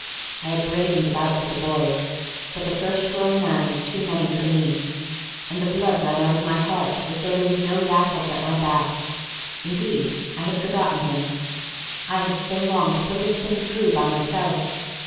I had brazened it out with the boys, but the first grown man was too many for me, and the blood ran out of my heart as though there was no Raffles at my back. Indeed, I had forgotten him. I had so longed to put this thing through by myself!